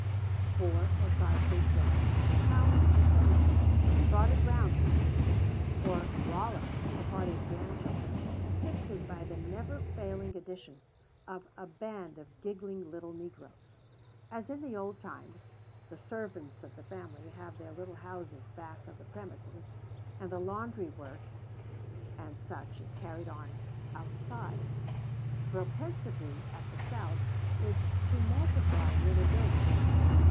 Four or five big dogs, hounds and pointers, trotted round with us, or rollicked with a party of grandchildren, assisted by the never failing addition of a band of giggling little negroes. As in the old times, the servants of the family have their little houses back of the premises; and the laundry work, &c., is carried on outside. The propensity at the South is to multiply little buildings.